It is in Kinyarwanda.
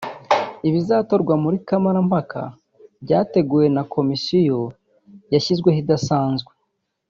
Ibizatorwa muri kamarampaka byateguwe na komisiyo yashyizweho idasanzwe